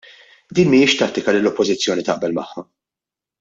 Din mhijiex tattika li l-Oppożizzjoni taqbel magħha.